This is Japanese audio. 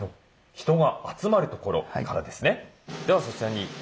人が集まる所からですね。